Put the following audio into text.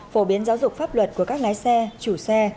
phổ biến giáo dục pháp luật của các lái xe chủ xe